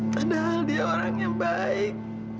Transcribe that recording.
padahal dia orang yang baik